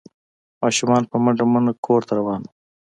ماشومان په منډه منډه کور ته روان وو۔